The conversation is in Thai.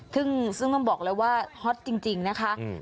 ซึ่งซึ่งกำบอกเลยว่าฮอตจริงจริงนะคะอืม